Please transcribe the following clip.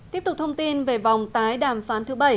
tiếp tục thông tin về vòng tái đàm phán thứ bảy